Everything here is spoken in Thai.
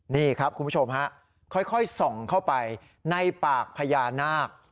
นี่ครับคุณผู้ชมฮะค่อยส่องเข้าไปในปากพญานาค